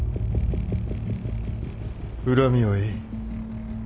恨みはいい。